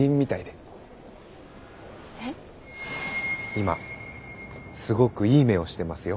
今すごくいい目をしてますよ。